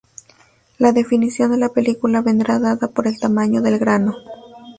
La definición de la película vendrá dada por el tamaño del grano.